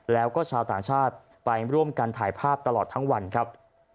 แล้วก็ชาวต่างชาติไปร่วมกันถ่ายภาพตลอดทั้งวันครับ